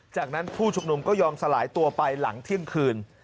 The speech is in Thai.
จากนั้นผู้ชุมนุมก็ยอมสลายตัวไปหลังเที่ยงคืน